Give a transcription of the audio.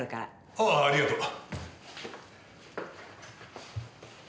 ああありがとう。